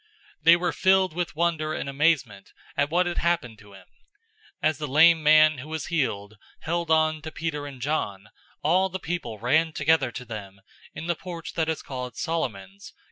They were filled with wonder and amazement at what had happened to him. 003:011 As the lame man who was healed held on to Peter and John, all the people ran together to them in the porch that is called Solomon's, greatly wondering.